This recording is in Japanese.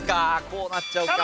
こうなっちゃうか。